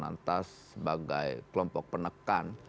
lalu nantas sebagai kelompok penekan